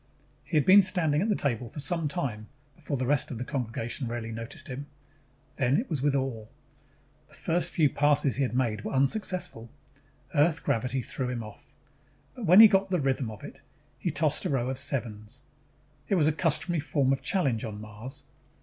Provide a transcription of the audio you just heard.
He had been standing at the table for some time before the rest of the congregation really noticed him. Then it was with awe. The first few passes he had made were unsuccessful. Earth gravity threw him off. But when he got the rhythm of it, he tossed a row of sevens. It was a customary form of challenge on Mars.